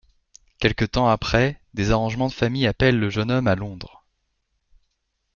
Quelque temps après, des arrangements de famille appellent le jeune homme à Londres.